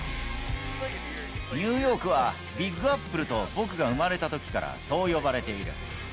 ニューヨークは、ビッグ・アップルと僕が生まれたときからそう呼ばれている。